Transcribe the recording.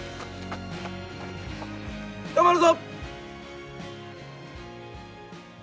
頑張るぞ！